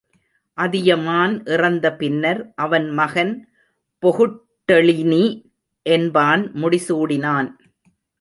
அதியமான் இறந்த பின்னர் அவன் மகன் பொகுட்டெழினி என்பான் முடிசூடினான்.